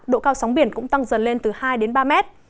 độ cao sóng biển cũng tăng dần lên từ hai đến ba mét